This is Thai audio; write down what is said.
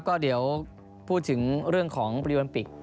ก็เดี๋ยวพูดถึงเรื่องของโปรลิโอมปิก